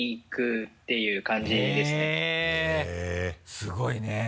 すごいね。